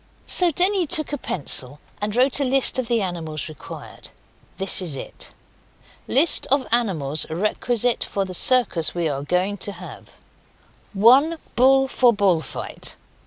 So Denny took a pencil and wrote a list of the animals required. This is it: LIST OF ANIMALS REQUISITE FOR THE CIRCUS WE ARE GOING TO HAVE 1 Bull for bull fight.